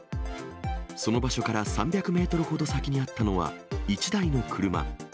その場所から３００メートルほど先にあったのは、１台の車。